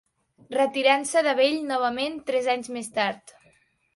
Retirant-se de bell novament tres anys més tard.